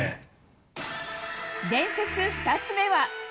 伝説２つ目は。